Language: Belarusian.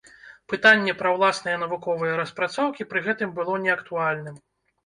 Пытанне пра ўласныя навуковыя распрацоўкі пры гэтым было не актуальным.